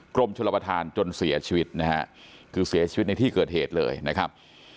กรมชลประธานจนเสียชีวิตนะฮะคือเสียชีวิตในที่เกิดเหตุเลยนะครับ